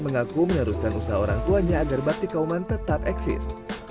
mengaku meneruskan usaha orang tuanya agar bakti kauman tetap eksis